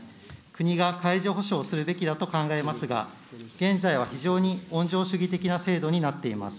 国が介助ほしょうをするべきだと考えますが、現在は非常に温情主義的な制度になっています。